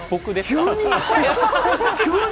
急に？